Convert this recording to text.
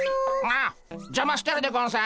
ああじゃましてるでゴンス。